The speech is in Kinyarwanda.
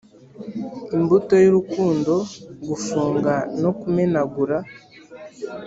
imbuto y'urukundo gufunga no kumenagura,